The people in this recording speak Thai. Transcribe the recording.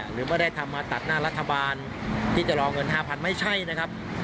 หรือไม่ได้ทำมาตัดหน้ารัฐบาลที่จะรอเงิน๕๐๐ไม่ใช่นะครับ